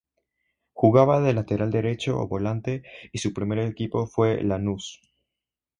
Jugaba de lateral derecho o volante y su primer equipo fue Lanús.